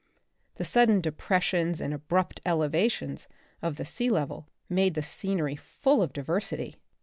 The sudden depressions and abrupt elevations of the sea level made the scenery full of diversity.